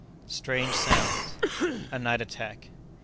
Strange Sounds.—A Night Attack.